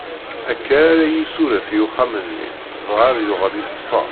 Akka ara yessuref i uxxam-nni, dɣa ad yuɣal iṣfa.